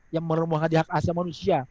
yang menerima hadiah asal manusia